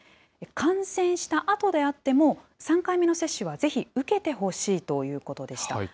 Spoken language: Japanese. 感染したあとであっても、３回目の接種はぜひ受けてほしいということでした。